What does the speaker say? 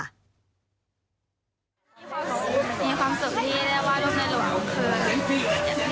อยากว่าเราร่วงให้ท่าน